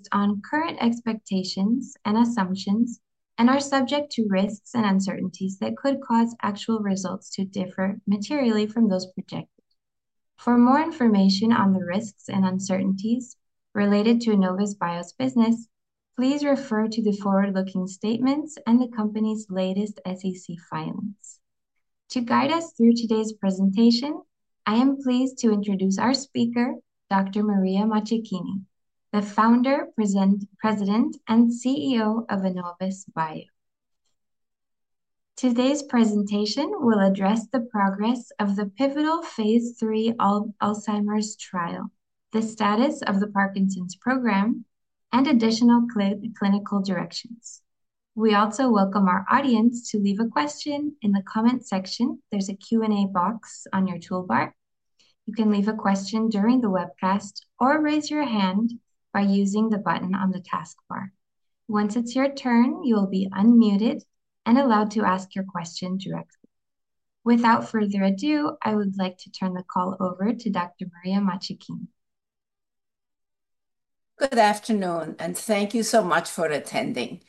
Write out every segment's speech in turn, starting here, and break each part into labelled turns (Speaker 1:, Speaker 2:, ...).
Speaker 1: Based on current expectations and assumptions, and are subject to risks and uncertainties that could cause actual results to differ materially from those projected. For more information on the risks and uncertainties related to Annovis Bio's business, please refer to the forward-looking statements and the company's latest SEC filings. To guide us through today's presentation, I am pleased to introduce our speaker, Dr. Maria Maccecchini, the Founder, President, and CEO of Annovis Bio. Today's presentation will address the progress of the pivotal phase III Alzheimer's trial, the status of the Parkinson's program, and additional clinical directions. We also welcome our audience to leave a question in the comment section. There's a Q&A box on your toolbar. You can leave a question during the webcast or raise your hand by using the button on the taskbar. Once it's your turn, you'll be unmuted and allowed to ask your question directly. Without further ado, I would like to turn the call over to Dr. Maria Maccecchini.
Speaker 2: Good afternoon, and thank you so much for attending.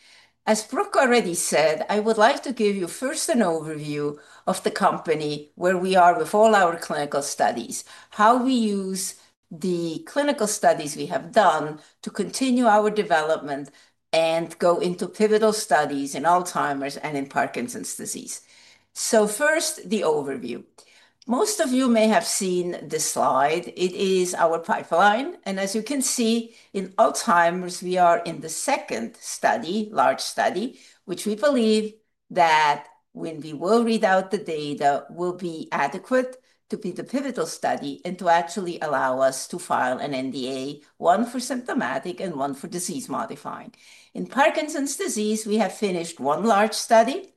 Speaker 2: As Brooke already said, I would like to give you first an overview of the company, where we are with all our clinical studies, how we use the clinical studies we have done to continue our development and go into pivotal studies in Alzheimer's and in Parkinson's disease. First, the overview. Most of you may have seen this slide. It is our pipeline. As you can see, in Alzheimer's, we are in the second study, large study, which we believe that when we will read out the data, will be adequate to be the pivotal study and to actually allow us to file an NDA, one for symptomatic and one for disease-modifying. In Parkinson's disease, we have finished one large study.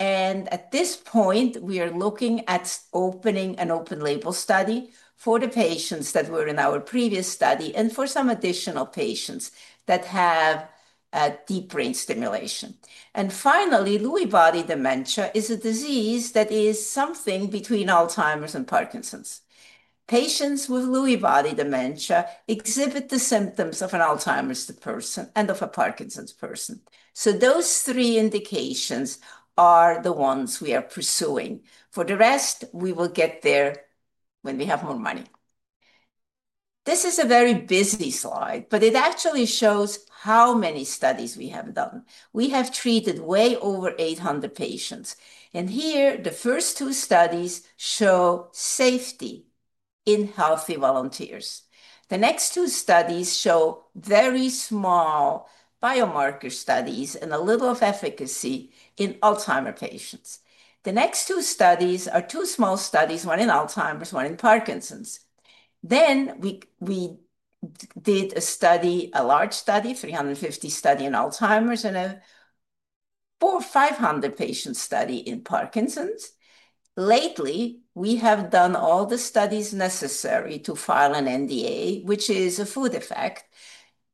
Speaker 2: At this point, we are looking at opening an open-label study for the patients that were in our previous study and for some additional patients that have deep brain stimulation. Finally, Lewy body dementia is a disease that is something between Alzheimer's and Parkinson's. Patients with Lewy body dementia exhibit the symptoms of an Alzheimer's person and of a Parkinson's person. Those three indications are the ones we are pursuing. For the rest, we will get there when we have more money. This is a very busy slide, but it actually shows how many studies we have done. We have treated way over 800 patients. Here, the first two studies show safety in healthy volunteers. The next two studies show very small biomarker studies and a little of efficacy in Alzheimer's patients. The next two studies are two small studies, one in Alzheimer's, one in Parkinson's. We did a study, a large study, 350 studies in Alzheimer's and a 500-patient study in Parkinson's. Lately, we have done all the studies necessary to file an NDA, which is a food effect,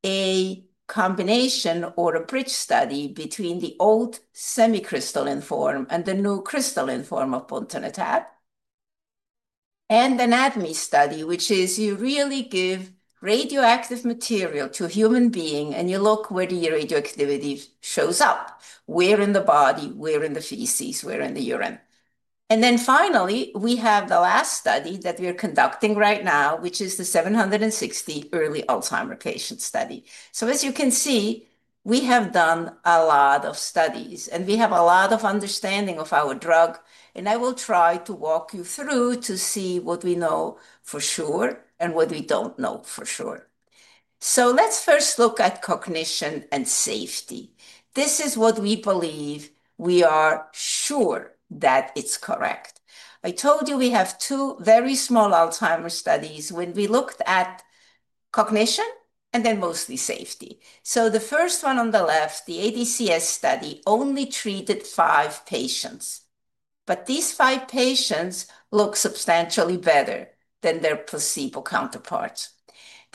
Speaker 2: a combination or a bridge study between the old semi-crystalline form and the new crystalline form of buntanetap, and an ADME study, which is you really give radioactive material to a human being, and you look where the radioactivity shows up, where in the body, where in the feces, where in the urine. Finally, we have the last study that we are conducting right now, which is the 760 early Alzheimer's patient study. As you can see, we have done a lot of studies, and we have a lot of understanding of our drug. I will try to walk you through to see what we know for sure and what we do not know for sure. Let's first look at cognition and safety. This is what we believe we are sure that it's correct. I told you we have two very small Alzheimer's studies when we looked at cognition and then mostly safety. The first one on the left, the ADCS study, only treated five patients. These five patients look substantially better than their placebo counterparts.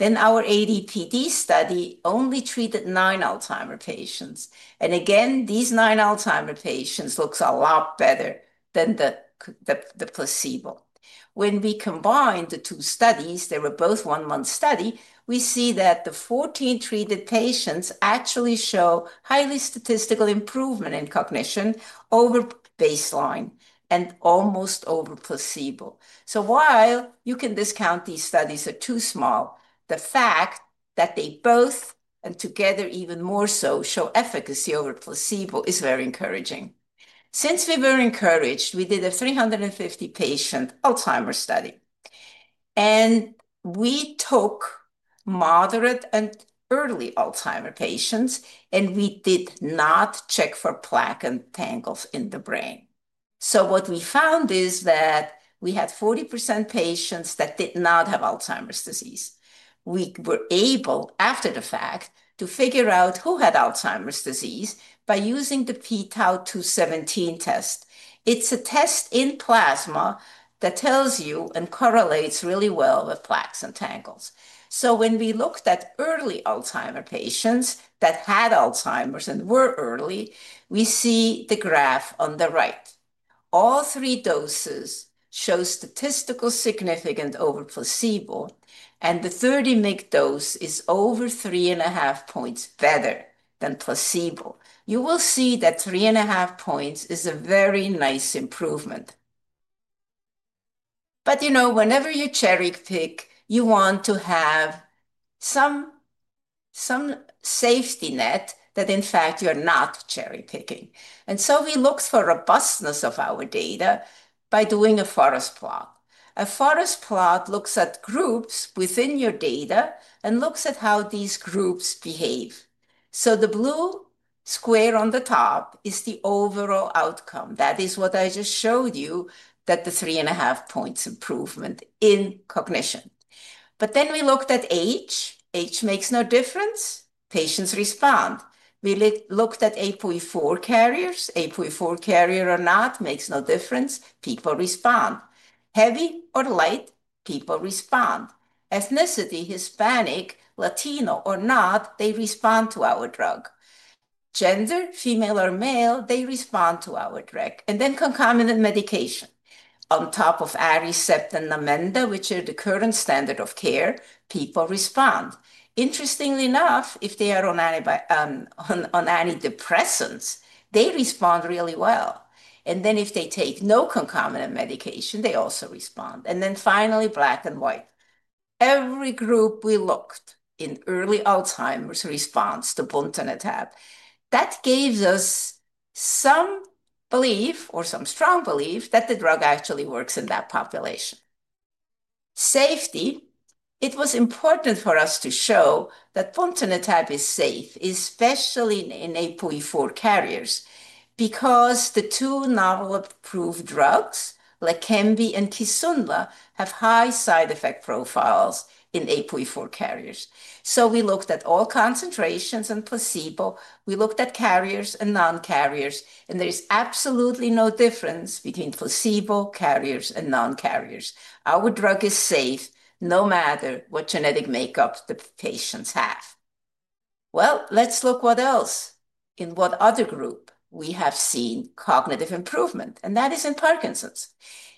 Speaker 2: Our ADPD study only treated nine Alzheimer's patients. Again, these nine Alzheimer's patients look a lot better than the placebo. When we combine the two studies, they were both one-month studies, we see that the 14 treated patients actually show highly statistical improvement in cognition over baseline and almost over placebo. While you can discount these studies as too small, the fact that they both, and together even more so, show efficacy over placebo is very encouraging. Since we were encouraged, we did a 350-patient Alzheimer's study. We took moderate and early Alzheimer's patients, and we did not check for plaque and tangles in the brain. What we found is that we had 40% patients that did not have Alzheimer's disease. We were able, after the fact, to figure out who had Alzheimer's disease by using the pTau217 test. It's a test in plasma that tells you and correlates really well with plaques and tangles. When we looked at early Alzheimer's patients that had Alzheimer's and were early, we see the graph on the right. All three doses show statistical significance over placebo, and the 30 mg dose is over three and a half points better than placebo. You will see that three and a half points is a very nice improvement. You know, whenever you cherry-pick, you want to have some safety net that, in fact, you are not cherry-picking. We looked for robustness of our data by doing a Forest Plot. A Forest Plot looks at groups within your data and looks at how these groups behave. The blue square on the top is the overall outcome. That is what I just showed you, that the three and a half points improvement in cognition. We looked at age. Age makes no difference. Patients respond. We looked at APOE4 carriers. APOE4 carrier or not makes no difference. People respond. Heavy or light, people respond. Ethnicity, Hispanic, Latino or not, they respond to our drug. Gender, female or male, they respond to our drug. Then concomitant medication. On top of Aricept and Namenda, which are the current standard of care, people respond. Interestingly enough, if they are on antidepressants, they respond really well. If they take no concomitant medication, they also respond. Finally, black and white. Every group we looked in early Alzheimer's responds to buntanetap. That gave us some belief or some strong belief that the drug actually works in that population. Safety, it was important for us to show that buntanetap is safe, especially in APOE4 carriers, because the two novel approved drugs, Leqembi and Kisunla, have high side effect profiles in APOE4 carriers. We looked at all concentrations and placebo. We looked at carriers and non-carriers, and there is absolutely no difference between placebo, carriers, and non-carriers. Our drug is safe no matter what genetic makeup the patients have. Let's look what else. In what other group we have seen cognitive improvement, and that is in Parkinson's.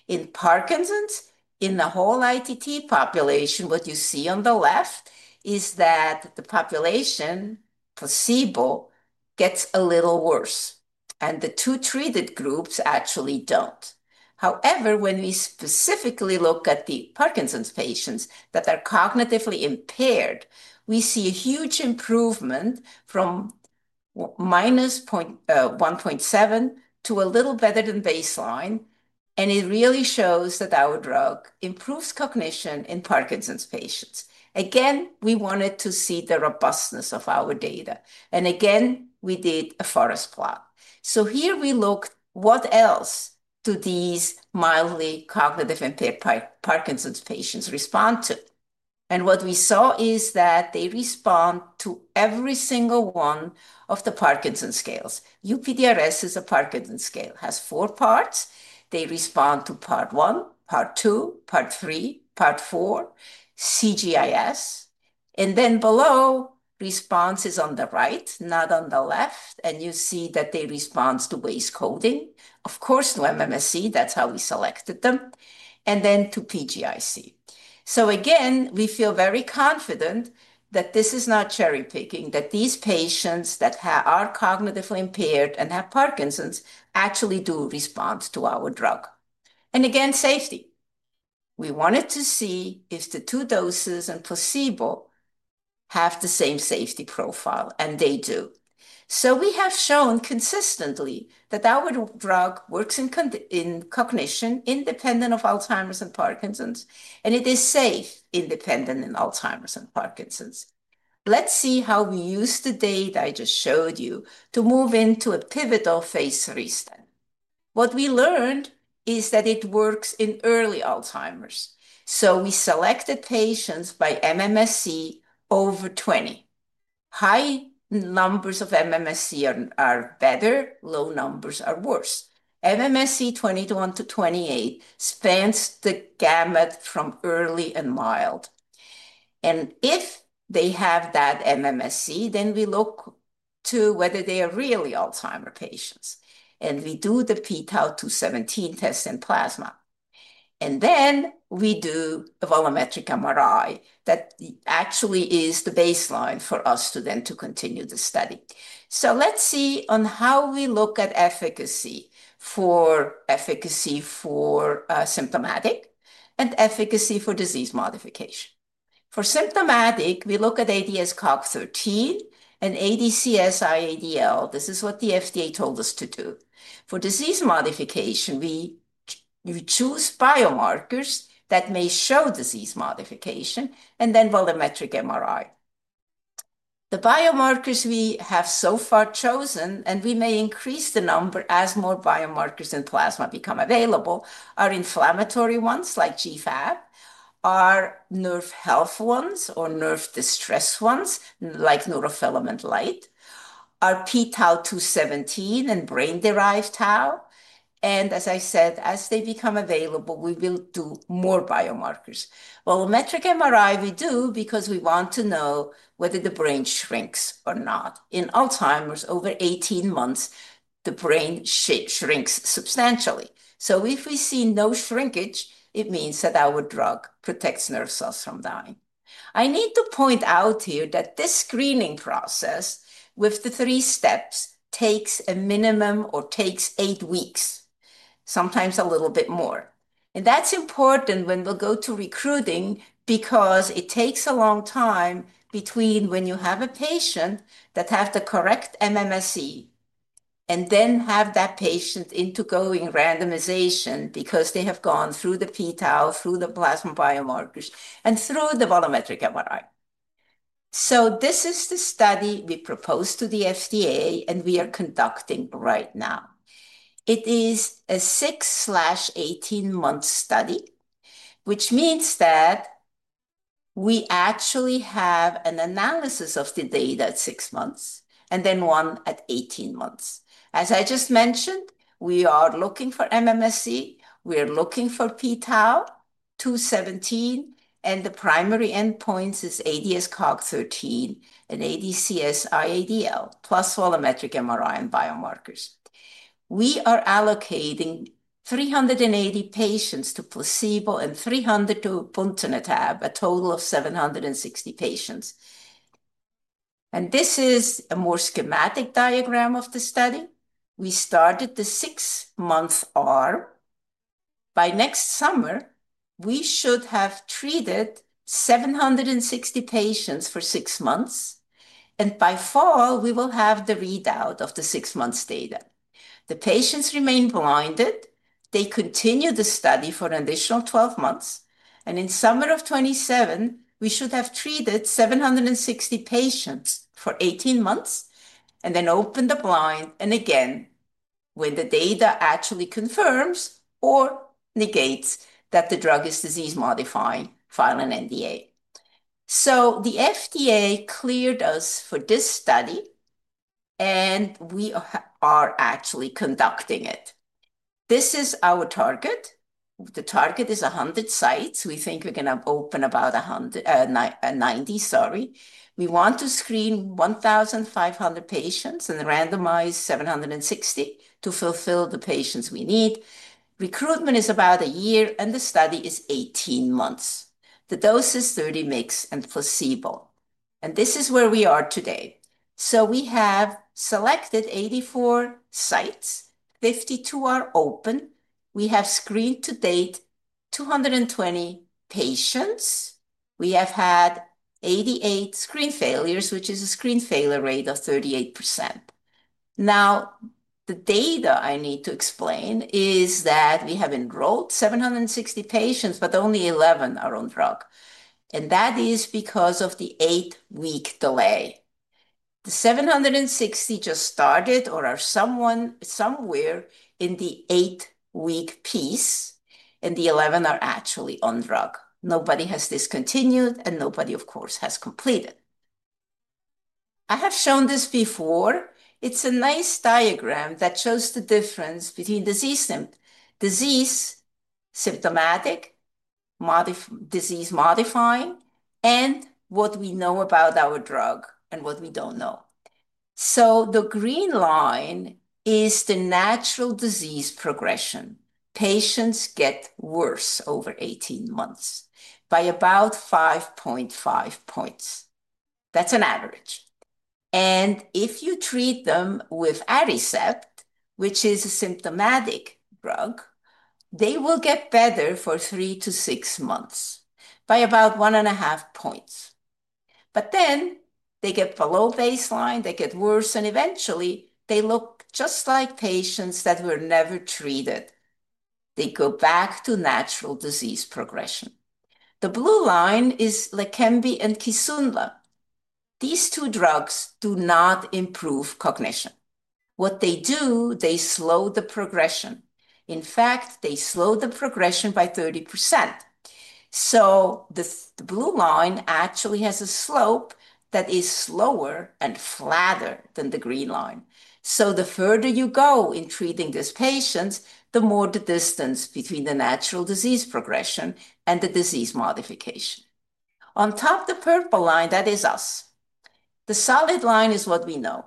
Speaker 2: In Parkinson's, in the whole ITT population, what you see on the left is that the population placebo gets a little worse, and the two treated groups actually do not. However, when we specifically look at the Parkinson's patients that are cognitively impaired, we see a huge improvement from minus 1.7 to a little better than baseline. It really shows that our drug improves cognition in Parkinson's patients. Again, we wanted to see the robustness of our data. Again, we did a Forest Plot. Here we looked what else do these mildly cognitive-impaired Parkinson's patients respond to. What we saw is that they respond to every single one of the Parkinson's scales. UPDRS is a Parkinson's scale, has four parts. They respond to part one, part two, part three, part four, CGIS. Then below, response is on the right, not on the left. You see that they respond to WAIS coding. Of course, to MMSE, that's how we selected them, and then to PGIC. Again, we feel very confident that this is not cherry-picking, that these patients that are cognitively impaired and have Parkinson's actually do respond to our drug. Again, safety. We wanted to see if the two doses and placebo have the same safety profile, and they do. We have shown consistently that our drug works in cognition independent of Alzheimer's and Parkinson's, and it is safe independent in Alzheimer's and Parkinson's. Let's see how we use the data I just showed you to move into a pivotal phase III study. What we learned is that it works in early Alzheimer's. We selected patients by MMSE over 20. High numbers of MMSE are better, low numbers are worse. MMSE 21 to 28 spans the gamut from early and mild. If they have that MMSE, then we look to whether they are really Alzheimer's patients. We do the pTau217 test in plasma. We do a volumetric MRI that actually is the baseline for us to then continue the study. Let's see on how we look at efficacy for symptomatic and efficacy for disease modification. For symptomatic, we look at ADAS-Cog13 and ADCS IADL. This is what the FDA told us to do. For disease modification, we choose biomarkers that may show disease modification and then volumetric MRI. The biomarkers we have so far chosen, and we may increase the number as more biomarkers in plasma become available, are inflammatory ones like GFAP, are nerve health ones or nerve distress ones like neurofilament light, are pTau217 and brain-derived tau. As I said, as they become available, we will do more biomarkers. Volumetric MRI we do because we want to know whether the brain shrinks or not. In Alzheimer's, over 18 months, the brain shrinks substantially. If we see no shrinkage, it means that our drug protects nerve cells from dying. I need to point out here that this screening process with the three steps takes a minimum or takes eight weeks, sometimes a little bit more. That is important when we go to recruiting because it takes a long time between when you have a patient that has the correct MMSE and then have that patient into going randomization because they have gone through the pTau217, through the plasma biomarkers, and through the volumetric MRI. This is the study we proposed to the FDA, and we are conducting right now. It is a 6/18 month study, which means that we actually have an analysis of the data at six months and then one at 18 months. As I just mentioned, we are looking for MMSE. We are looking for pTau217, and the primary endpoints are ADAS-Cog13 and ADCS IADL plus volumetric MRI and biomarkers. We are allocating 380 patients to placebo and 300 to buntanetap, a total of 760 patients. This is a more schematic diagram of the study. We started the six-month arm. By next summer, we should have treated 760 patients for six months. By fall, we will have the readout of the six-months data. The patients remain blinded. They continue the study for an additional 12 months. In summer of 2027, we should have treated 760 patients for 18 months and then open the blind. When the data actually confirms or negates that the drug is disease-modifying, file an NDA. The FDA cleared us for this study, and we are actually conducting it. This is our target. The target is 100 sites. We think we're going to open about 90, sorry. We want to screen 1,500 patients and randomize 760 to fulfill the patients we need. Recruitment is about a year, and the study is 18 months. The dose is 30 mg and placebo. This is where we are today. We have selected 84 sites. Fifty-two are open. We have screened to date 220 patients. We have had 88 screen failures, which is a screen failure rate of 38%. Now, the data I need to explain is that we have enrolled 760 patients, but only 11 are on drug. That is because of the eight-week delay. The 760 just started or are somewhere in the eight-week piece, and the 11 are actually on drug. Nobody has discontinued, and nobody, of course, has completed. I have shown this before. It is a nice diagram that shows the difference between disease symptomatic, disease modifying, and what we know about our drug and what we do not know. The green line is the natural disease progression. Patients get worse over 18 months by about 5.5 points. That is an average. If you treat them with Aricept, which is a symptomatic drug, they will get better for three to six months by about one and a half points. Then they get below baseline. They get worse. Eventually, they look just like patients that were never treated. They go back to natural disease progression. The blue line is Leqembi and Kisunla. These two drugs do not improve cognition. What they do, they slow the progression. In fact, they slow the progression by 30%. The blue line actually has a slope that is slower and flatter than the green line. The further you go in treating these patients, the more the distance between the natural disease progression and the disease modification. On top, the purple line, that is us. The solid line is what we know.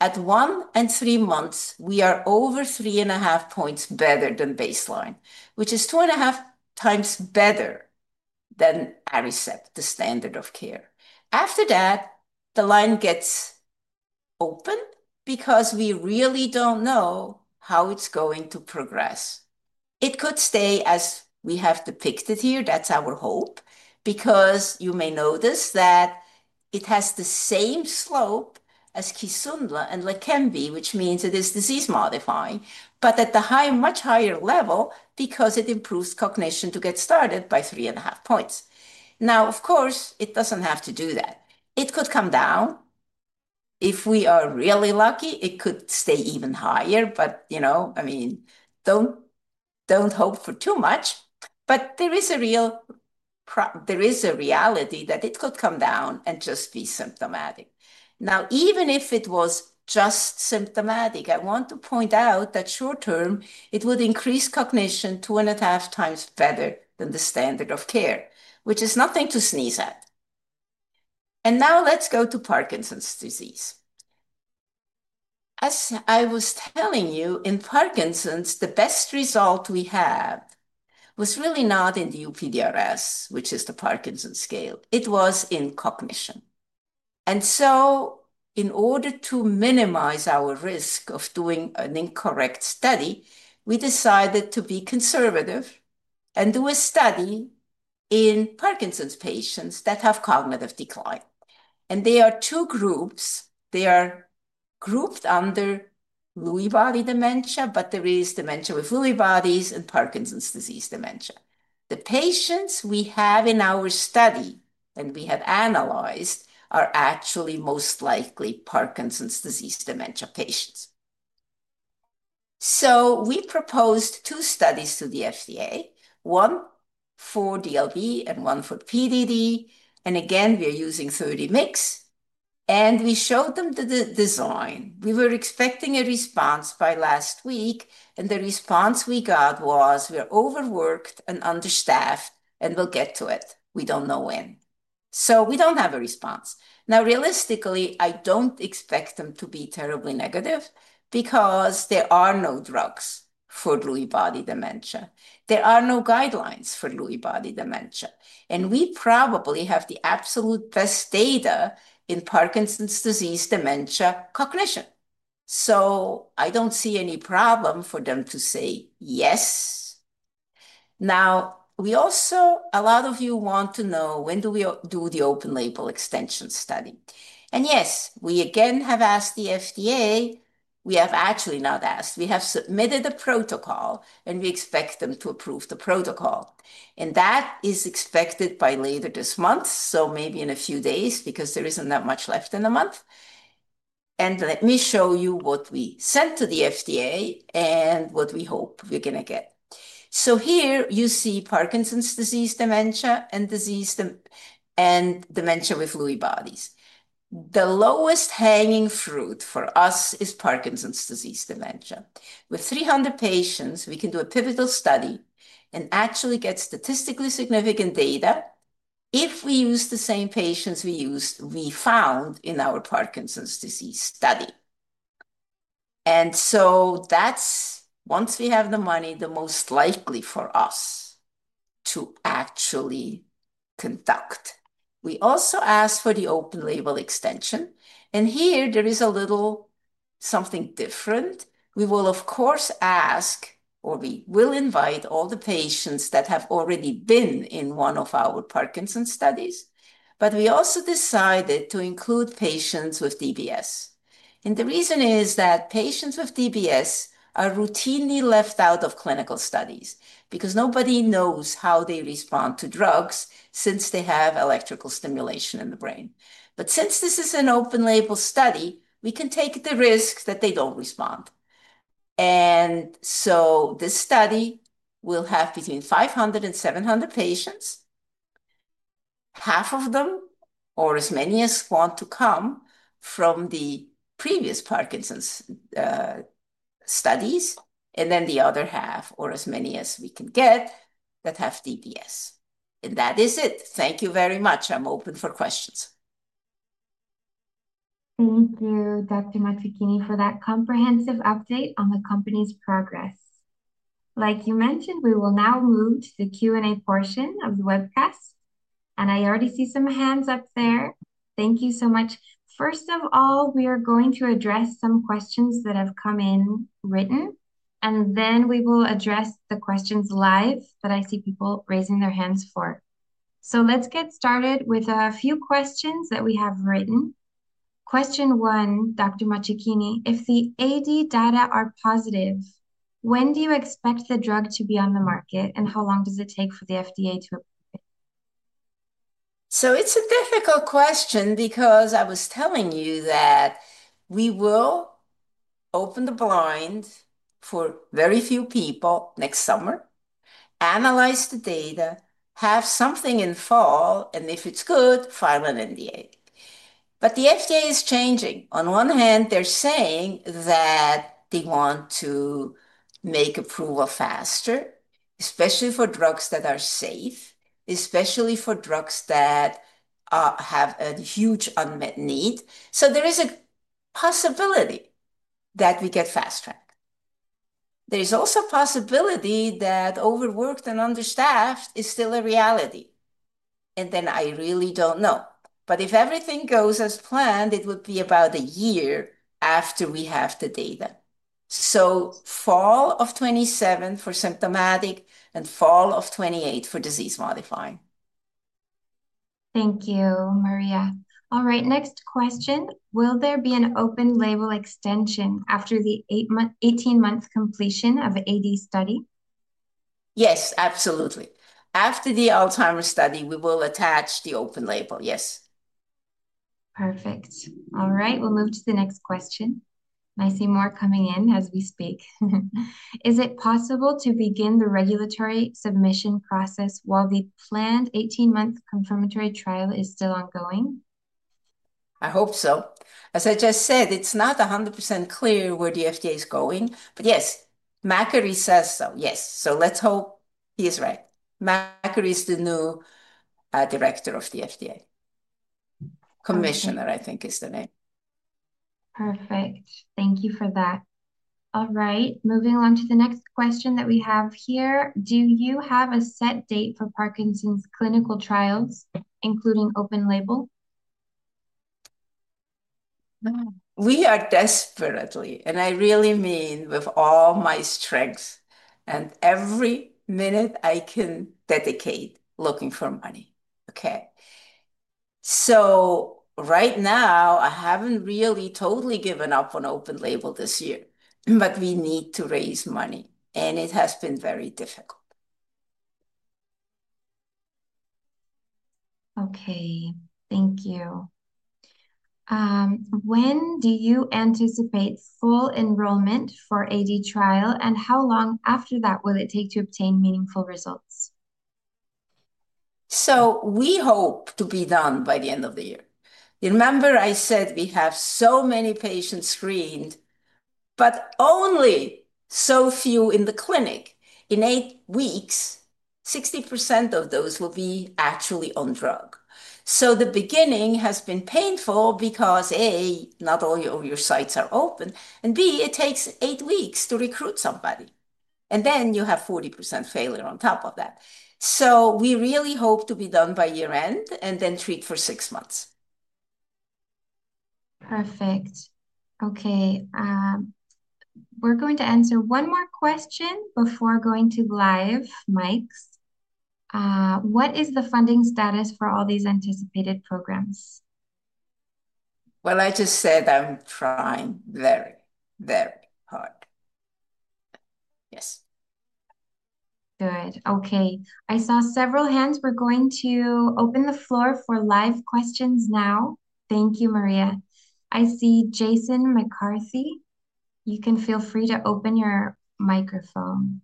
Speaker 2: At one and three months, we are over three and a half points better than baseline, which is two and a half times better than Aricept, the standard of care. After that, the line gets open because we really do not know how it is going to progress. It could stay as we have depicted here. That is our hope. Because you may notice that it has the same slope as Kisunla and Leqembi, which means it is disease modifying, but at the high, much higher level because it improves cognition to get started by three and a half points. Now, of course, it does not have to do that. It could come down. If we are really lucky, it could stay even higher. But, you know, I mean, do not hope for too much. But there is a reality that it could come down and just be symptomatic. Now, even if it was just symptomatic, I want to point out that short term, it would increase cognition two and a half times better than the standard of care, which is nothing to sneeze at. Now let's go to Parkinson's disease. As I was telling you, in Parkinson's, the best result we have was really not in the UPDRS, which is the Parkinson's scale. It was in cognition. In order to minimize our risk of doing an incorrect study, we decided to be conservative and do a study in Parkinson's patients that have cognitive decline. They are two groups. They are grouped under Lewy body dementia, but there is dementia with Lewy bodies and Parkinson's disease dementia. The patients we have in our study and we have analyzed are actually most likely Parkinson's disease dementia patients. We proposed two studies to the FDA, one for DLB and one for PDD. Again, we are using 30 mg. We showed them the design. We were expecting a response by last week. The response we got was we're overworked and understaffed, and we'll get to it. We don't know when. We don't have a response. Realistically, I don't expect them to be terribly negative because there are no drugs for Lewy body dementia. There are no guidelines for Lewy body dementia. We probably have the absolute best data in Parkinson's disease dementia cognition. I don't see any problem for them to say yes. Also, a lot of you want to know when do we do the open label extension study. Yes, we again have asked the FDA. We have actually not asked. We have submitted a protocol, and we expect them to approve the protocol. That is expected by later this month, so maybe in a few days because there is not that much left in a month. Let me show you what we sent to the FDA and what we hope we are going to get. Here you see Parkinson's disease dementia and dementia with Lewy bodies. The lowest hanging fruit for us is Parkinson's disease dementia. With 300 patients, we can do a pivotal study and actually get statistically significant data if we use the same patients we found in our Parkinson's disease study. That is, once we have the money, the most likely for us to actually conduct. We also asked for the open label extension. Here there is a little something different. We will, of course, ask, or we will invite all the patients that have already been in one of our Parkinson's studies. We also decided to include patients with DBS. The reason is that patients with DBS are routinely left out of clinical studies because nobody knows how they respond to drugs since they have electrical stimulation in the brain. Since this is an open label study, we can take the risk that they do not respond. This study will have between 500 and 700 patients, half of them or as many as want to come from the previous Parkinson's studies, and the other half or as many as we can get that have DBS. That is it. Thank you very much. I'm open for questions. Thank you, Dr. McCarthy, for that comprehensive update on the company's progress.
Speaker 1: Like you mentioned, we will now move to the Q&A portion of the webcast. I already see some hands up there. Thank you so much. First of all, we are going to address some questions that have come in written, and then we will address the questions live that I see people raising their hands for. Let's get started with a few questions that we have written. Question one, Dr. McCarthy, if the AD data are positive, when do you expect the drug to be on the market, and how long does it take for the FDA to approve it?
Speaker 2: It's a difficult question because I was telling you that we will open the blind for very few people next summer, analyze the data, have something in fall, and if it's good, file an NDA. The FDA is changing. On one hand, they're saying that they want to make approval faster, especially for drugs that are safe, especially for drugs that have a huge unmet need. There is a possibility that we get fast tracked. There is also a possibility that overworked and understaffed is still a reality. I really don't know. If everything goes as planned, it would be about a year after we have the data. Fall of 2027 for symptomatic and fall of 2028 for disease modifying.
Speaker 1: Thank you, Maria. All right, next question. Will there be an open label extension after the 18-month completion of AD study?
Speaker 2: Yes, absolutely. After the Alzheimer's study, we will attach the open label. Yes.
Speaker 1: Perfect. All right, we'll move to the next question. I see more coming in as we speak. Is it possible to begin the regulatory submission process while the planned 18-month confirmatory trial is still ongoing?
Speaker 2: I hope so. As I just said, it's not 100% clear where the FDA is going. But yes, McCarthy says so. Yes. Let's hope he is right. McCarthy is the new director of the FDA. Commissioner, I think, is the name.
Speaker 1: Perfect. Thank you for that. All right, moving on to the next question that we have here. Do you have a set date for Parkinson's clinical trials, including open label?
Speaker 2: We are desperately, and I really mean with all my strength and every minute I can dedicate, looking for money. Okay. Right now, I haven't really totally given up on open label this year, but we need to raise money, and it has been very difficult.
Speaker 1: Okay, thank you. When do you anticipate full enrollment for AD trial, and how long after that will it take to obtain meaningful results?
Speaker 2: We hope to be done by the end of the year. Remember, I said we have so many patients screened, but only so few in the clinic. In eight weeks, 60% of those will be actually on drug. The beginning has been painful because, A, not all your sites are open, and B, it takes eight weeks to recruit somebody. Then you have 40% failure on top of that. We really hope to be done by year-end and then treat for six months.
Speaker 1: Perfect. Okay. We're going to answer one more question before going to live, Mike. What is the funding status for all these anticipated programs?
Speaker 2: I just said I'm trying very, very hard. Yes.
Speaker 1: Good. Okay. I saw several hands.
Speaker 2: We're going to open the floor for live questions now. Thank you, Maria. I see Jason McCarthy. You can feel free to open your microphone.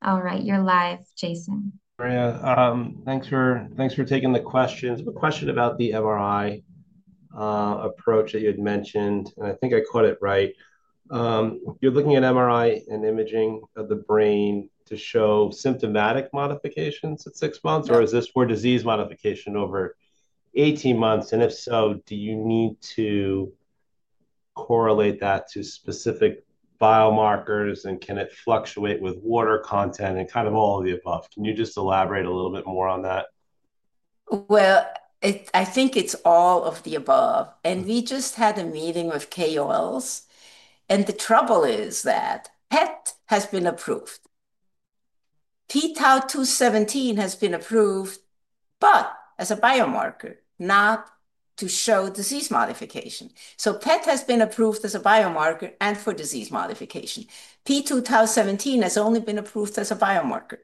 Speaker 2: All right, you're live, Jason.
Speaker 3: Maria, thanks for taking the question. A question about the MRI approach that you had mentioned, and I think I caught it right. You're looking at MRI and imaging of the brain to show symptomatic modifications at six months, or is this for disease modification over 18 months? And if so, do you need to correlate that to specific biomarkers, and can it fluctuate with water content and kind of all of the above? Can you just elaborate a little bit more on that?
Speaker 2: I think it's all of the above. We just had a meeting with KOLs. The trouble is that PET has been approved. P2017 has been approved, but as a biomarker, not to show disease modification. So PET has been approved as a biomarker and for disease modification. P2017 has only been approved as a biomarker.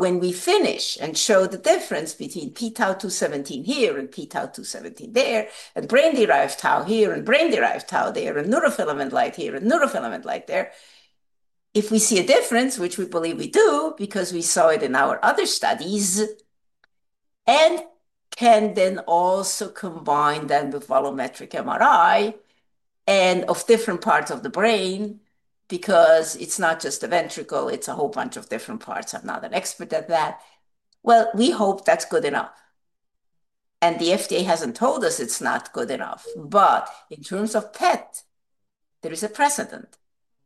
Speaker 2: When we finish and show the difference between P2017 here and P2017 there, and brain-derived tau here and brain-derived tau there and neurofilament light here and neurofilament light there, if we see a difference, which we believe we do because we saw it in our other studies, and can then also combine them with volumetric MRI and of different parts of the brain because it is not just the ventricle, it is a whole bunch of different parts. I am not an expert at that. We hope that is good enough. The FDA has not told us it is not good enough. In terms of PET, there is a precedent.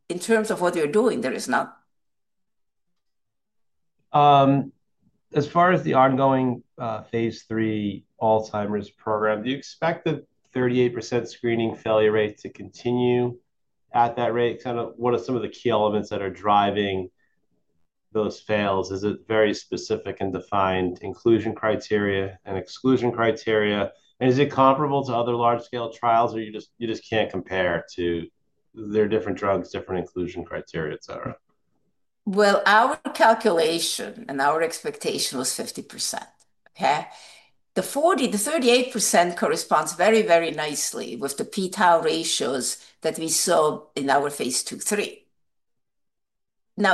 Speaker 2: In terms of what they are doing, there is not.
Speaker 3: As far as the ongoing phase three Alzheimer's program, do you expect the 38% screening failure rate to continue at that rate? Kind of what are some of the key elements that are driving those fails? Is it very specific and defined inclusion criteria and exclusion criteria? Is it comparable to other large-scale trials or you just can't compare to their different drugs, different inclusion criteria, etc.?
Speaker 2: Our calculation and our expectation was 50%. The 38% corresponds very, very nicely with the pTau ratios that we saw in our phase two three.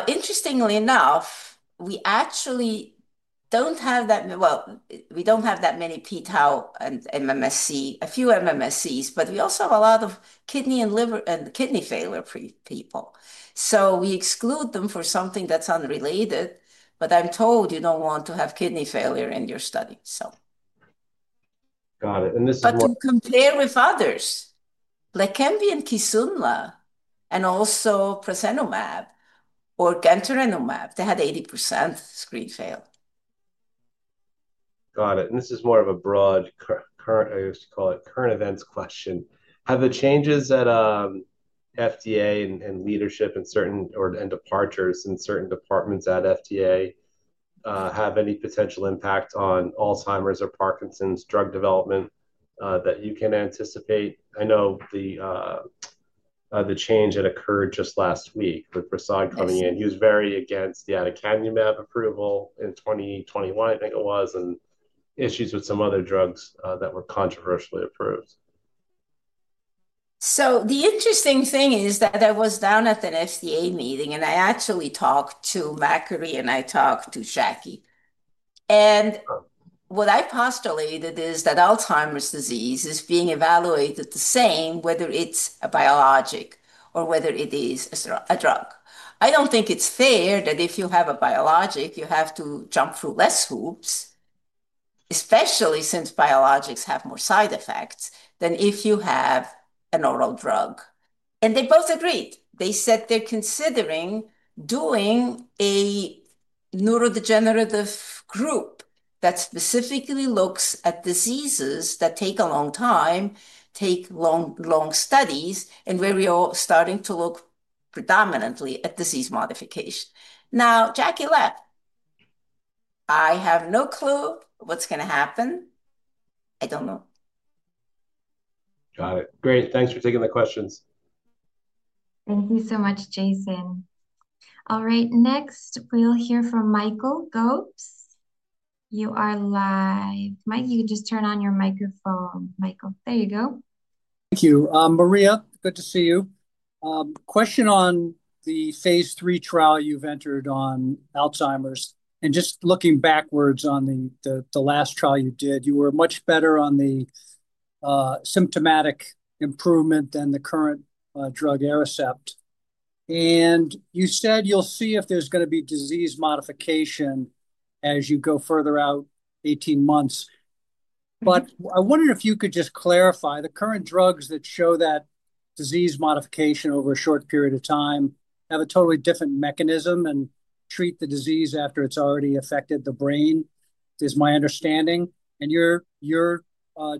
Speaker 2: Interestingly enough, we actually don't have that, we don't have that many pTau and MMSE, a few MMSEs, but we also have a lot of kidney and liver and kidney failure people. We exclude them for something that's unrelated, but I'm told you don't want to have kidney failure in your study.
Speaker 3: Got it.
Speaker 2: This is what. To compare with others, Leqembi and Kisunla and also Presenumab or Gantenerumab, they had 80% screen fail.
Speaker 3: Got it. This is more of a broad current, I used to call it current events question. Have the changes at FDA in leadership and departures in certain departments at FDA had any potential impact on Alzheimer's or Parkinson's drug development that you can anticipate? I know the change that occurred just last week with Brassard coming in, he was very against the Aducanumab approval in 2021, I think it was, and issues with some other drugs that were controversially approved.
Speaker 2: The interesting thing is that I was down at the FDA meeting and I actually talked to McCarthy and I talked to Jacqui. What I postulated is that Alzheimer's disease is being evaluated the same, whether it is a biologic or whether it is a drug. I do not think it is fair that if you have a biologic, you have to jump through less hoops, especially since biologics have more side effects than if you have an oral drug. They both agreed. They said they are considering doing a neurodegenerative group that specifically looks at diseases that take a long time, take long studies, and where we are starting to look predominantly at disease modification. Now, Jacqui Lapp, I have no clue what is going to happen. I do not know.
Speaker 3: Got it. Great. Thanks for taking the questions.
Speaker 1: Thank you so much, Jason. All right, next, we will hear from Michael Gopes. You are live. Mike, you could just turn on your microphone. Michael, there you go.
Speaker 4: Thank you. Maria, good to see you. Question on the phase three trial you've entered on Alzheimer's. Just looking backwards on the last trial you did, you were much better on the symptomatic improvement than the current drug Aricept. You said you'll see if there's going to be disease modification as you go further out 18 months. I wondered if you could just clarify, the current drugs that show that disease modification over a short period of time have a totally different mechanism and treat the disease after it's already affected the brain, is my understanding. Your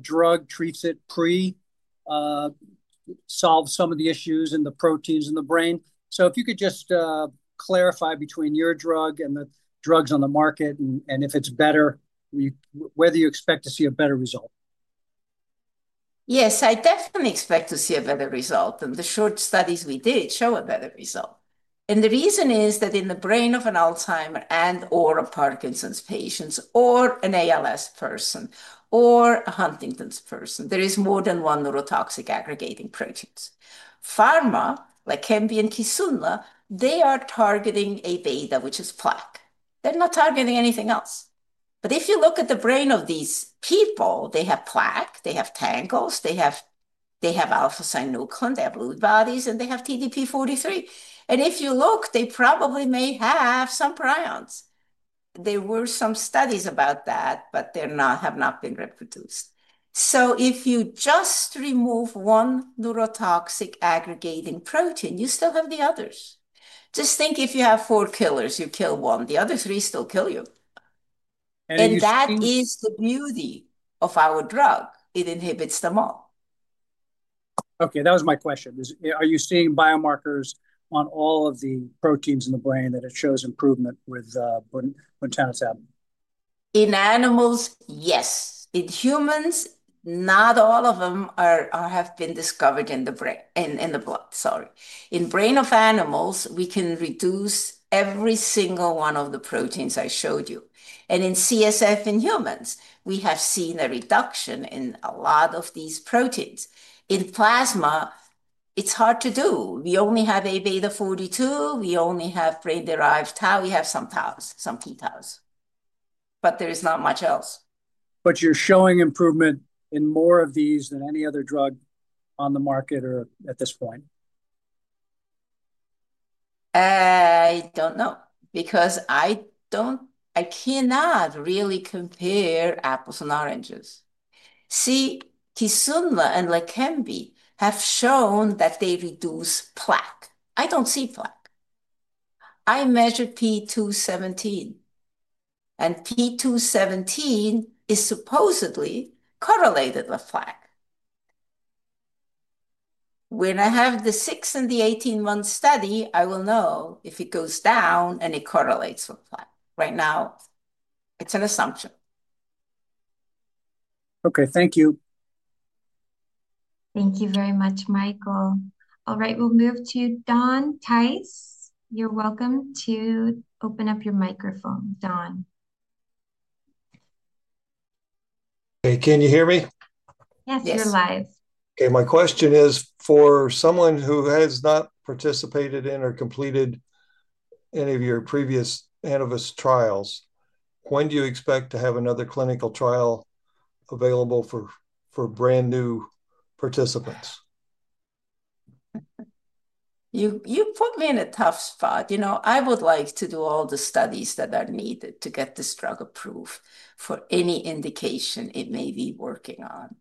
Speaker 4: drug treats it, pre-solves some of the issues in the proteins in the brain. If you could just clarify between your drug and the drugs on the market and if it's better, whether you expect to see a better result?
Speaker 2: Yes, I definitely expect to see a better result. The short studies we did show a better result. The reason is that in the brain of an Alzheimer's and/or a Parkinson's patient or an ALS person or a Huntington's person, there is more than one neurotoxic aggregating protein. Pharma, Leqembi, and Kisunla, they are targeting a beta, which is plaque. They're not targeting anything else. If you look at the brain of these people, they have plaque, they have tangles, they have alpha-synuclein, they have Lewy bodies, and they have TDP-43. If you look, they probably may have some prions. There were some studies about that, but they have not been reproduced. If you just remove one neurotoxic aggregating protein, you still have the others. Just think if you have four killers, you kill one. The other three still kill you. That is the beauty of our drug. It inhibits them all. Okay, that was my question. Are you seeing biomarkers on all of the proteins in the brain that have shown improvement with buntanetap? In animals, yes. In humans, not all of them have been discovered in the brain, in the blood, sorry. In brain of animals, we can reduce every single one of the proteins I showed you. In CSF in humans, we have seen a reduction in a lot of these proteins. In plasma, it is hard to do. We only have A beta-42. We only have brain-derived tau. We have some taus, some pTau's. There is not much else.
Speaker 4: But you're showing improvement in more of these than any other drug on the market or at this point?
Speaker 2: I don't know because I cannot really compare apples and oranges. See, Kisunla and Leqembi have shown that they reduce plaque. I don't see plaque. I measured P217. And P217 is supposedly correlated with plaque. When I have the six and the 18-month study, I will know if it goes down and it correlates with plaque. Right now, it's an assumption.
Speaker 4: Okay, thank you.
Speaker 1: Thank you very much, Michael. All right, we'll move to Don Tice. You're welcome to open up your microphone, Don.
Speaker 5: Okay, can you hear me?
Speaker 1: Yes, you're live.
Speaker 5: Okay, my question is, for someone who has not participated in or completed any of your previous Annovis trials, when do you expect to have another clinical trial available for brand new participants?
Speaker 2: You put me in a tough spot. I would like to do all the studies that are needed to get this drug approved for any indication it may be working on.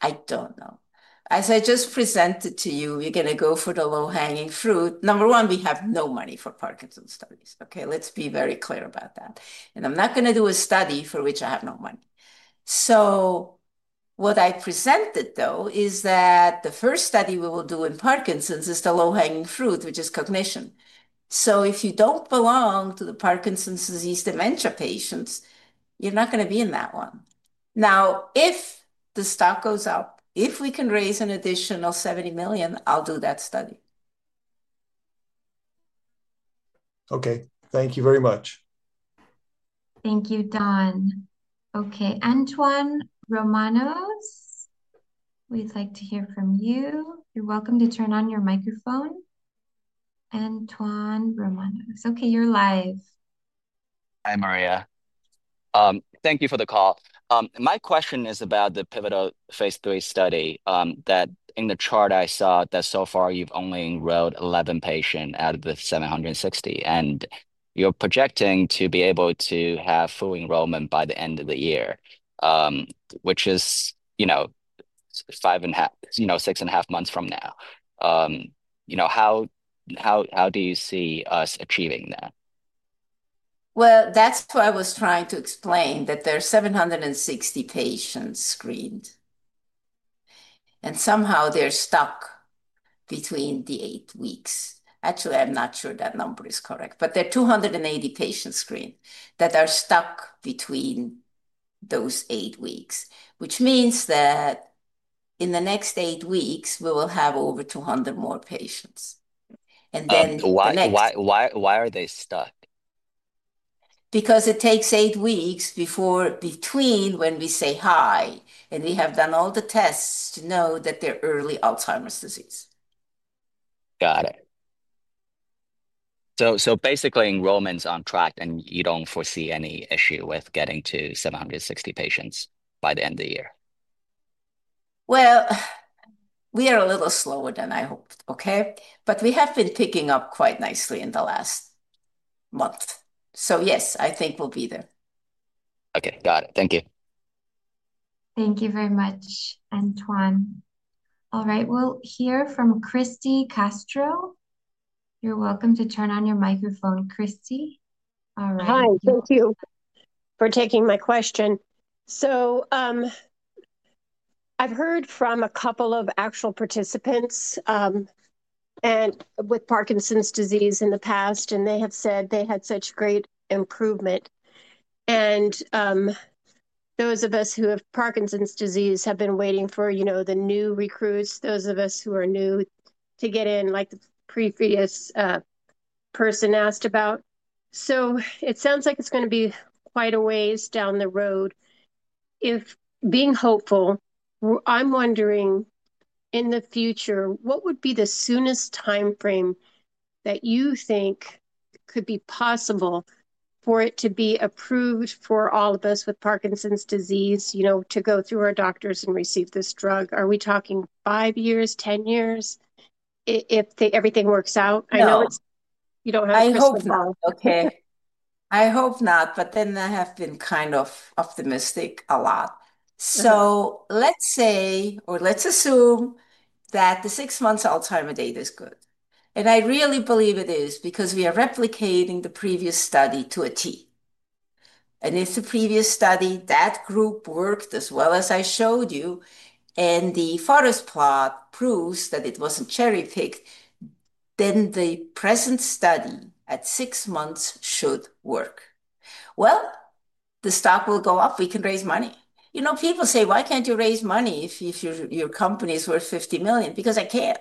Speaker 2: I don't know. As I just presented to you, you're going to go for the low-hanging fruit. Number one, we have no money for Parkinson's studies. Okay, let's be very clear about that. I'm not going to do a study for which I have no money. What I presented, though, is that the first study we will do in Parkinson's is the low-hanging fruit, which is cognition. If you don't belong to the Parkinson's disease dementia patients, you're not going to be in that one. Now, if the stock goes up, if we can raise an additional $70 million, I'll do that study.
Speaker 5: Okay, thank you very much.
Speaker 1: Thank you, Don. Okay, Antoine Romanos, we'd like to hear from you. You're welcome to turn on your microphone. Antoine Romanos. Okay, you're live.
Speaker 6: Hi, Maria. Thank you for the call. My question is about the pivotal phase three study that in the chart I saw that so far you've only enrolled 11 patients out of the 760, and you're projecting to be able to have full enrollment by the end of the year, which is five and a half, six and a half months from now. How do you see us achieving that?
Speaker 2: That's what I was trying to explain, that there are 760 patients screened. And somehow they're stuck between the eight weeks. Actually, I'm not sure that number is correct, but there are 280 patients screened that are stuck between those eight weeks, which means that in the next eight weeks, we will have over 200 more patients. Next.
Speaker 6: Why are they stuck?
Speaker 2: Because it takes eight weeks between when we say hi, and we have done all the tests to know that they're early Alzheimer's disease.
Speaker 6: Got it. Basically, enrollment's on track, and you do not foresee any issue with getting to 760 patients by the end of the year?
Speaker 2: We are a little slower than I hoped, okay? We have been picking up quite nicely in the last month. Yes, I think we'll be there.
Speaker 6: Got it. Thank you.
Speaker 1: Thank you very much, Antoine. All right, we'll hear from Christy Castro. You're welcome to turn on your microphone, Christy.
Speaker 7: Hi, thank you for taking my question. I've heard from a couple of actual participants with Parkinson's disease in the past, and they have said they had such great improvement. Those of us who have Parkinson's disease have been waiting for the new recruits, those of us who are new to get in, like the previous person asked about. It sounds like it is going to be quite a ways down the road. Being hopeful, I am wondering in the future, what would be the soonest timeframe that you think could be possible for it to be approved for all of us with Parkinson's disease to go through our doctors and receive this drug? Are we talking five years, 10 years if everything works out? I know you do not have a question.
Speaker 2: I hope not, okay. I hope not, but then I have been kind of optimistic a lot. Let's say, or let's assume that the six-month Alzheimer's data is good. I really believe it is because we are replicating the previous study to a T. If the previous study, that group worked as well as I showed you, and the Forest Plot proves that it was not cherry-picked, then the present study at six months should work. The stock will go up. We can raise money. People say, "Why can't you raise money if your company is worth $50 million?" Because I cannot.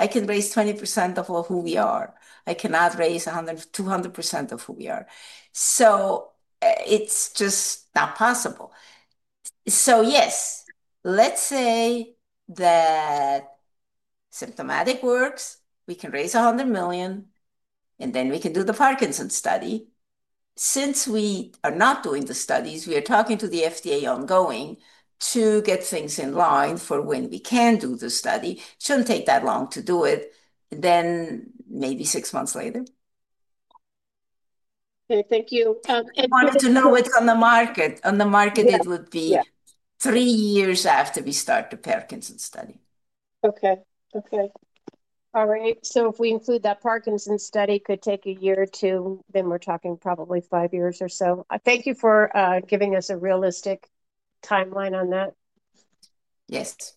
Speaker 2: I can raise 20% of who we are. I cannot raise 200% of who we are. It is just not possible. Yes, let's say that symptomatic works, we can raise $100 million, and then we can do the Parkinson's study. Since we are not doing the studies, we are talking to the FDA ongoing to get things in line for when we can do the study. It should not take that long to do it, then maybe six months later.
Speaker 7: Okay, thank you.
Speaker 2: I wanted to know what is on the market. On the market, it would be three years after we start the Parkinson's study.
Speaker 7: Okay, okay. All right. If we include that Parkinson's study, it could take a year or two, then we're talking probably five years or so. Thank you for giving us a realistic timeline on that.
Speaker 2: Yes.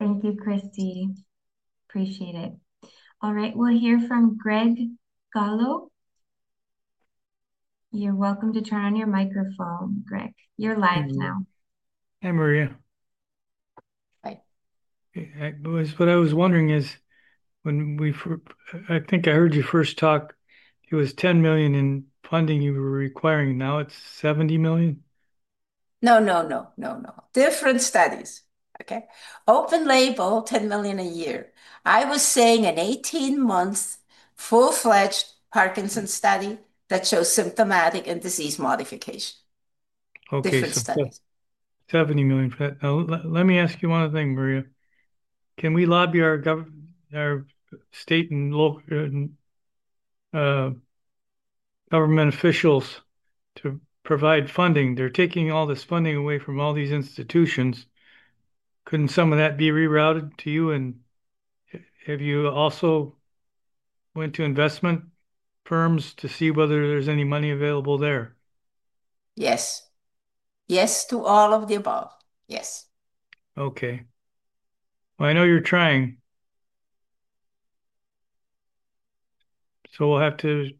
Speaker 1: Thank you, Christie. Appreciate it. All right, we'll hear from Greg Gallo. You're welcome to turn on your microphone, Greg. You're live now.
Speaker 8: Hey, Maria. Hi. What I was wondering is when we, I think I heard you first talk, it was $10 million in funding you were requiring. Now it's $70 million?
Speaker 2: No, no, no, no, no. Different studies. Okay. Open label, $10 million a year. I was saying an 18-month full-fledged Parkinson's study that shows symptomatic and disease modification. Different studies.
Speaker 8: $70 million. Let me ask you one thing, Maria. Can we lobby our state and local government officials to provide funding? They're taking all this funding away from all these institutions. Couldn't some of that be rerouted to you? And have you also went to investment firms to see whether there's any money available there?
Speaker 2: Yes. Yes to all of the above. Yes.
Speaker 8: Okay. I know you're trying. We'll have to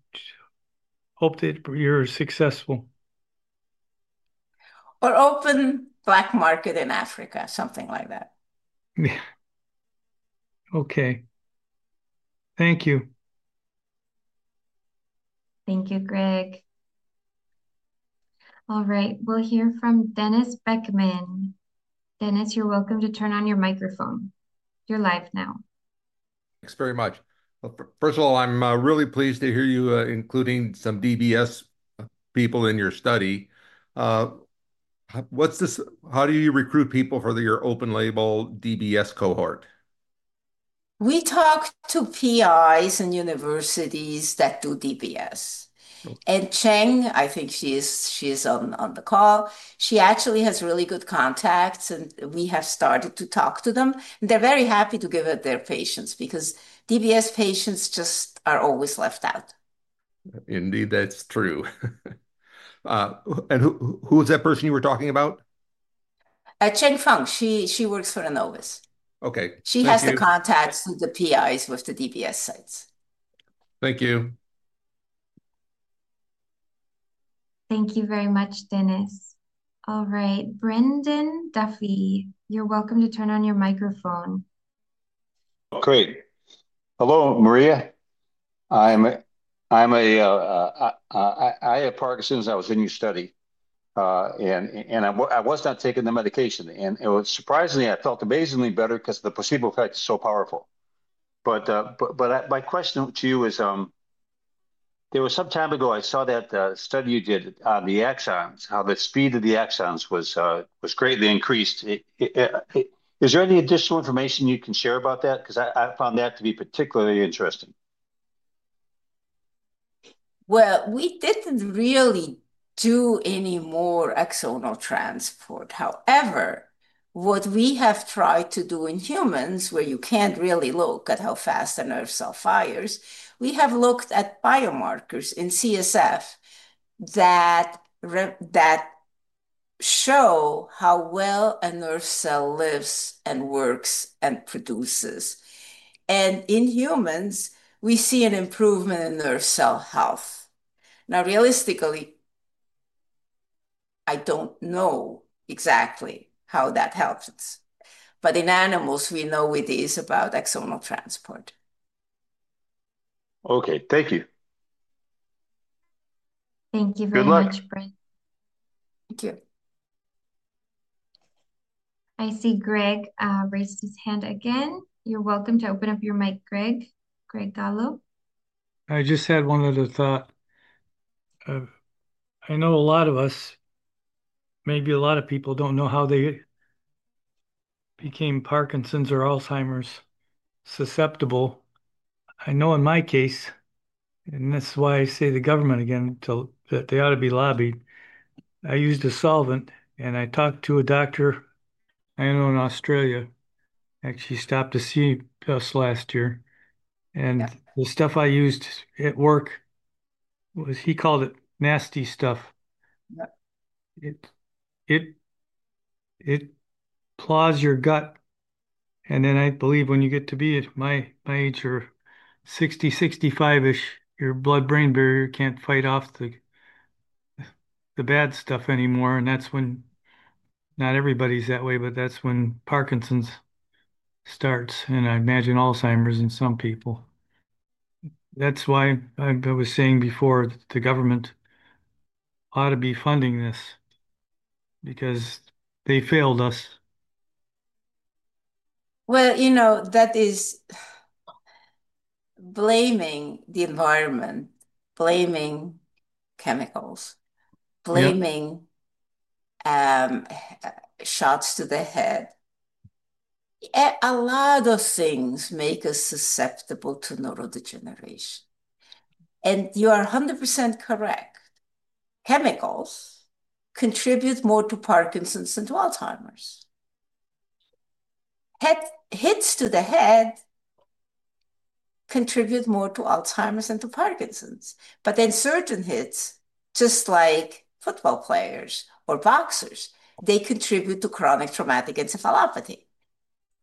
Speaker 8: hope that you're successful.
Speaker 2: Or open black market in Africa, something like that.
Speaker 8: Okay. Thank you.
Speaker 1: Thank you, Greg. All right, we'll hear from Dennis Beckman. Dennis, you're welcome to turn on your microphone. You're live now.
Speaker 9: Thanks very much. First of all, I'm really pleased to hear you including some DBS people in your study. How do you recruit people for your open label DBS cohort? We talk to PIs and universities that do DBS. And Chang, I think she's on the call.
Speaker 2: She actually has really good contacts, and we have started to talk to them. They're very happy to give it to their patients because DBS patients just are always left out.
Speaker 9: Indeed, that's true. Who is that person you were talking about?
Speaker 2: Chang Feng. She works for Annovis. She has the contacts with the PIs with the DBS sites.
Speaker 9: Thank you.
Speaker 2: Thank you very much, Dennis. All right, Brendan Duffy, you're welcome to turn on your microphone.
Speaker 10: Great. Hello, Maria. I have Parkinson's. I was in your study. I was not taking the medication. Surprisingly, I felt amazingly better because the placebo effect is so powerful. My question to you is, there was some time ago I saw that study you did on the axons, how the speed of the axons was greatly increased. Is there any additional information you can share about that? Because I found that to be particularly interesting.
Speaker 2: We didn't really do any more axonal transport. However, what we have tried to do in humans, where you can't really look at how fast a nerve cell fires, we have looked at biomarkers in CSF that show how well a nerve cell lives and works and produces. In humans, we see an improvement in nerve cell health. Realistically, I don't know exactly how that helps. In animals, we know it is about axonal transport.
Speaker 10: Thank you.
Speaker 1: Thank you very much, Brendan. Good luck. Thank you. I see Greg raised his hand again. You're welcome to open up your mic, Greg. Greg Gallo.
Speaker 8: I just had one other thought. I know a lot of us, maybe a lot of people, don't know how they became Parkinson's or Alzheimer's susceptible. I know in my case, and this is why I say the government again, that they ought to be lobbied. I used a solvent, and I talked to a doctor, I know in Australia, actually stopped to see us last year. And the stuff I used at work, he called it nasty stuff. It claws your gut. I believe when you get to be my age or 60, 65-ish, your blood-brain barrier cannot fight off the bad stuff anymore. That is when not everybody is that way, but that is when Parkinson's starts. I imagine Alzheimer's in some people. That is why I was saying before the government ought to be funding this because they failed us.
Speaker 2: That is blaming the environment, blaming chemicals, blaming shots to the head. A lot of things make us susceptible to neurodegeneration. You are 100% correct. Chemicals contribute more to Parkinson's than to Alzheimer's. Hits to the head contribute more to Alzheimer's than to Parkinson's. Certain hits, just like football players or boxers, contribute to chronic traumatic encephalopathy.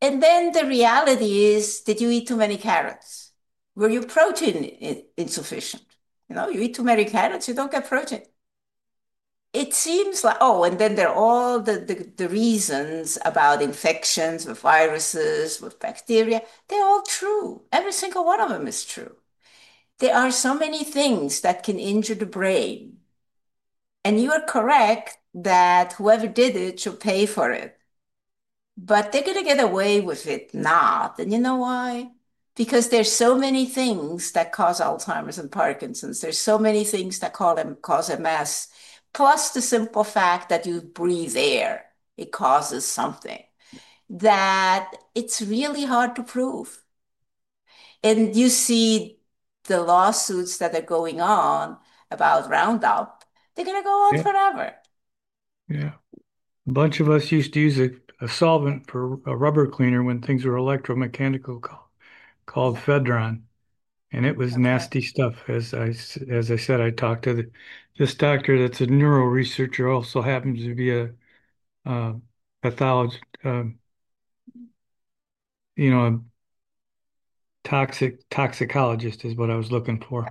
Speaker 2: The reality is that you eat too many carrots. Were you protein insufficient? You eat too many carrots, you do not get protein. It seems like, oh, and then there are all the reasons about infections with viruses, with bacteria. They are all true. Every single one of them is true. There are so many things that can injure the brain. You are correct that whoever did it should pay for it. They are going to get away with it not. You know why? There are so many things that cause Alzheimer's and Parkinson's. There are so many things that cause MS. Plus the simple fact that you breathe air, it causes something that it's really hard to prove. You see the lawsuits that are going on about Roundup, they're going to go on forever.
Speaker 8: Yeah. A bunch of us used to use a solvent for a rubber cleaner when things were electromechanical called Fedron. It was nasty stuff. As I said, I talked to this doctor that's a neuroresearcher, also happens to be a toxicologist is what I was looking for.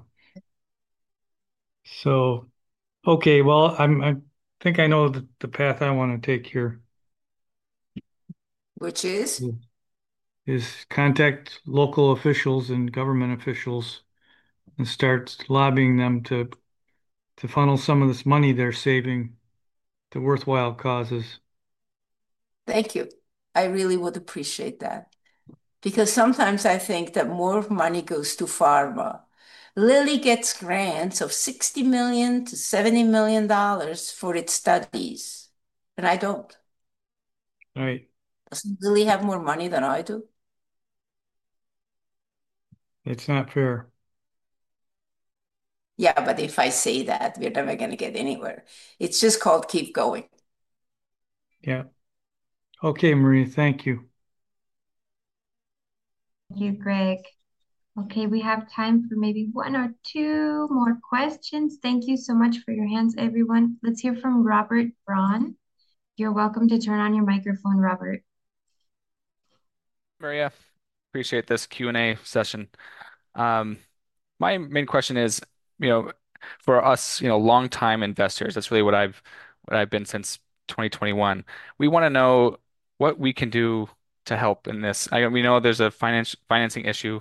Speaker 8: Okay, I think I know the path I want to take here.
Speaker 2: Which is?
Speaker 8: Contact local officials and government officials and start lobbying them to funnel some of this money they're saving to worthwhile causes.
Speaker 2: Thank you. I really would appreciate that. Because sometimes I think that more money goes to pharma. Lilly gets grants of $60 million-$70 million for its studies. I do not.
Speaker 8: Right.
Speaker 2: Does not Lilly have more money than I do?
Speaker 8: It is not fair.
Speaker 2: Yeah, but if I say that, we are never going to get anywhere. It is just called keep going.
Speaker 8: Yeah. Okay, Maria. Thank you.
Speaker 1: Thank you, Greg. Okay, we have time for maybe one or two more questions. Thank you so much for your hands, everyone. Let us hear from Robert Braun. You are welcome to turn on your microphone, Robert.
Speaker 11: Maria, appreciate this Q&A session. My main question is, for us long-time investors, that is really what I have been since 2021. We want to know what we can do to help in this. We know there is a financing issue.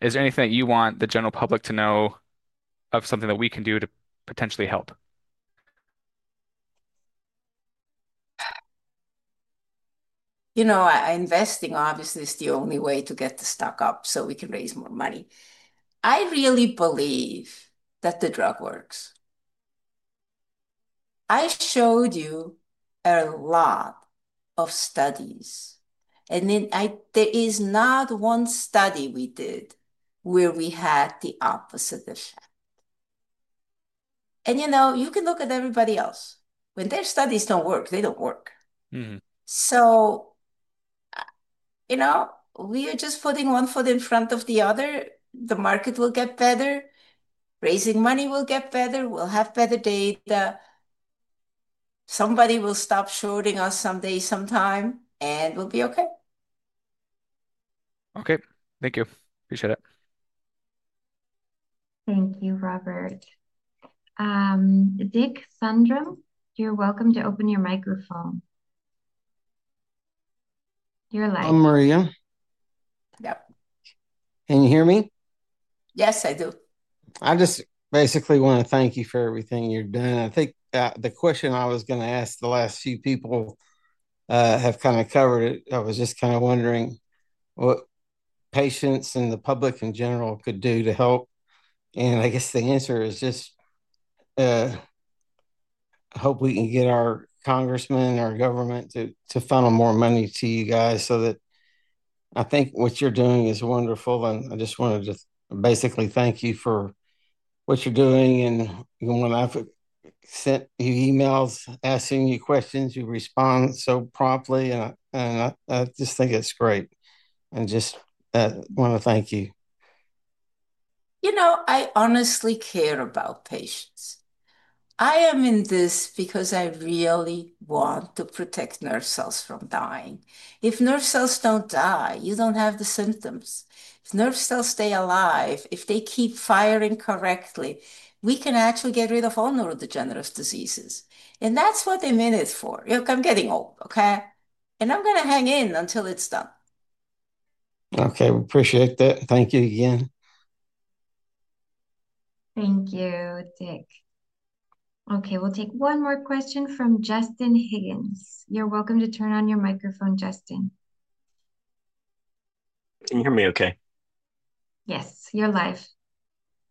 Speaker 11: Is there anything that you want the general public to know of something that we can do to potentially help?
Speaker 2: Investing, obviously, is the only way to get the stock up so we can raise more money. I really believe that the drug works. I showed you a lot of studies. There is not one study we did where we had the opposite effect. You can look at everybody else. When their studies do not work, they do not work. We are just putting one foot in front of the other. The market will get better. Raising money will get better. We will have better data. Somebody will stop shorting us someday, sometime, and we will be okay. Okay.
Speaker 11: Thank you. Appreciate it.
Speaker 1: Thank you, Robert. Dick Sundram, you are welcome to open your microphone. You are live.
Speaker 12: I am Maria.
Speaker 2: Yep.
Speaker 12: Can you hear me?
Speaker 2: Yes, I do.
Speaker 12: I just basically want to thank you for everything you have done. I think the question I was going to ask, the last few people have kind of covered it. I was just kind of wondering what patients and the public in general could do to help. I guess the answer is just hope we can get our congressmen and our government to funnel more money to you guys so that I think what you're doing is wonderful. I just wanted to basically thank you for what you're doing. When I've sent you emails asking you questions, you respond so promptly. I just think it's great. I just want to thank you.
Speaker 2: You know, I honestly care about patients. I am in this because I really want to protect nerve cells from dying. If nerve cells don't die, you don't have the symptoms. If nerve cells stay alive, if they keep firing correctly, we can actually get rid of all neurodegenerative diseases. That's what they're in it for. Look, I'm getting old, okay? I'm going to hang in until it's done.
Speaker 12: Okay. Appreciate that. Thank you again.
Speaker 1: Thank you, Dick. Okay, we'll take one more question from Justin Higgins. You're welcome to turn on your microphone, Justin.
Speaker 13: Can you hear me okay?
Speaker 1: Yes. You're live.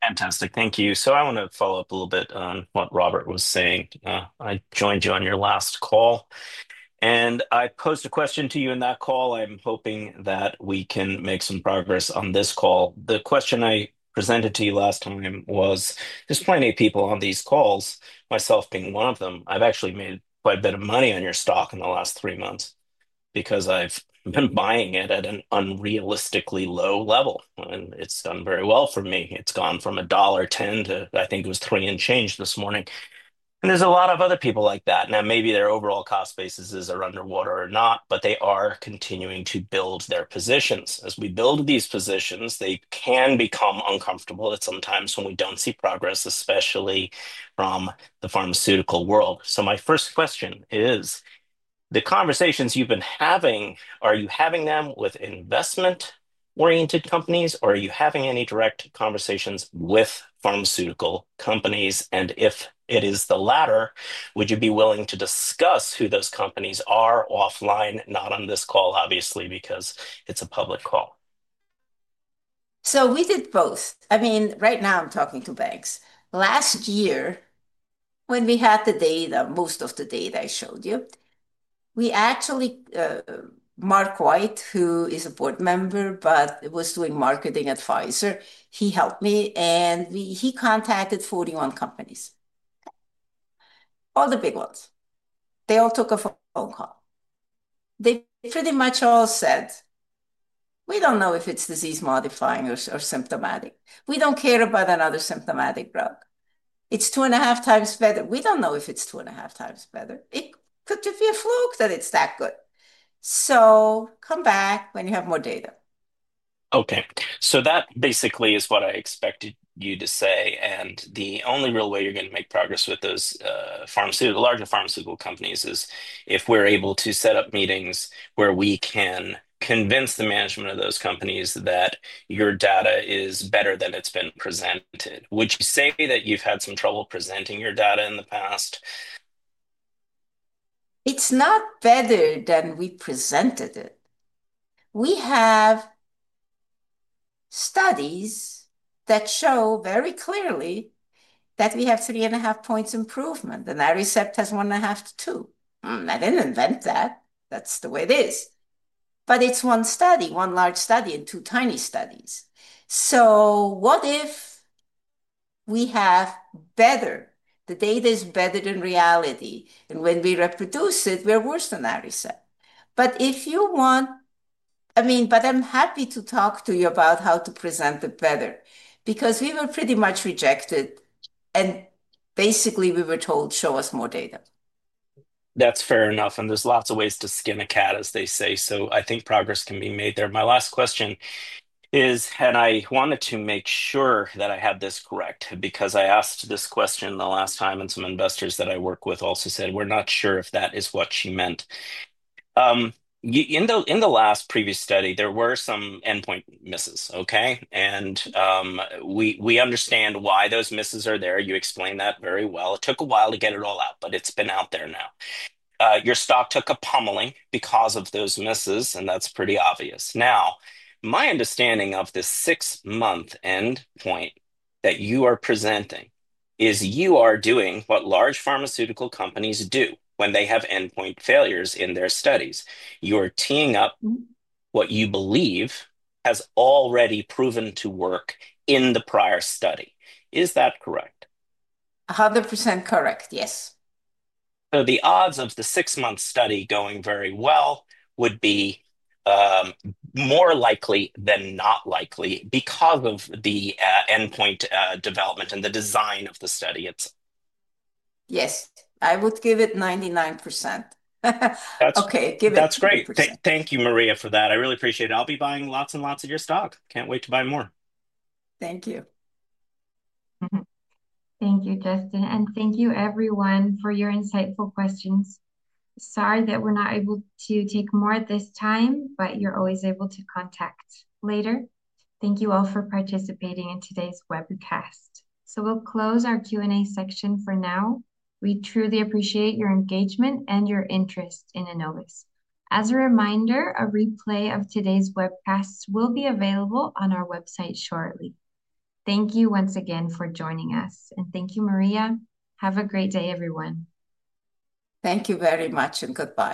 Speaker 13: Fantastic. Thank you. I want to follow up a little bit on what Robert was saying. I joined you on your last call. I posed a question to you in that call. I'm hoping that we can make some progress on this call. The question I presented to you last time was, there's plenty of people on these calls, myself being one of them. I've actually made quite a bit of money on your stock in the last three months because I've been buying it at an unrealistically low level. It's done very well for me. It's gone from $1.10 to, I think it was $3 and change this morning. And there's a lot of other people like that. Now, maybe their overall cost basis is underwater or not, but they are continuing to build their positions. As we build these positions, they can become uncomfortable at some times when we don't see progress, especially from the pharmaceutical world. My first question is, the conversations you've been having, are you having them with investment-oriented companies, or are you having any direct conversations with pharmaceutical companies? If it is the latter, would you be willing to discuss who those companies are offline, not on this call, obviously, because it's a public call?
Speaker 2: We did both. I mean, right now I'm talking to banks. Last year, when we had the data, most of the data I showed you, we actually, Mark White, who is a board member but was doing marketing advisor, he helped me. And he contacted 41 companies. All the big ones. They all took a phone call. They pretty much all said, "We do not know if it is disease-modifying or symptomatic. We do not care about another symptomatic drug. It is two and a half times better. We do not know if it is two and a half times better. It could just be a fluke that it is that good. So come back when you have more data.
Speaker 13: " Okay. That basically is what I expected you to say. The only real way you're going to make progress with those larger pharmaceutical companies is if we're able to set up meetings where we can convince the management of those companies that your data is better than it's been presented. Would you say that you've had some trouble presenting your data in the past?
Speaker 2: It's not better than we presented it. We have studies that show very clearly that we have three and a half points improvement. And that receptor has one and a half to two. I didn't invent that. That's the way it is. It's one study, one large study and two tiny studies. What if we have better, the data is better than reality. When we reproduce it, we're worse than that recept. If you want, I mean, I'm happy to talk to you about how to present it better because we were pretty much rejected. Basically, we were told, "Show us more data."
Speaker 13: That's fair enough. There are lots of ways to skin a cat, as they say. I think progress can be made there. My last question is, I wanted to make sure that I had this correct because I asked this question the last time, and some investors that I work with also said, "We're not sure if that is what she meant." In the last previous study, there were some endpoint misses, okay? We understand why those misses are there. You explained that very well. It took a while to get it all out, but it's been out there now. Your stock took a pummeling because of those misses, and that's pretty obvious. Now, my understanding of the six-month endpoint that you are presenting is you are doing what large pharmaceutical companies do when they have endpoint failures in their studies. You are teeing up what you believe has already proven to work in the prior study. Is that correct?
Speaker 2: 100% correct. Yes.
Speaker 13: So the odds of the six-month study going very well would be more likely than not likely because of the endpoint development and the design of the study itself.
Speaker 2: Yes. I would give it 99%. Okay. Give it 99%.
Speaker 13: That's great. Thank you, Maria, for that. I really appreciate it. I'll be buying lots and lots of your stock. Can't wait to buy more.
Speaker 2: Thank you.
Speaker 1: Thank you, Justin. And thank you, everyone, for your insightful questions. Sorry that we're not able to take more at this time, but you're always able to contact later. Thank you all for participating in today's webcast. We will close our Q&A section for now. We truly appreciate your engagement and your interest in Annovis Bio. As a reminder, a replay of today's webcast will be available on our website shortly. Thank you once again for joining us. Thank you, Maria. Have a great day, everyone.
Speaker 2: Thank you very much and goodbye.